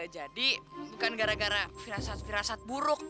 jadi bukan gara gara virasat virasat buruk